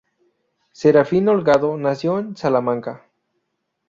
Serafín Holgado nació en Salamanca.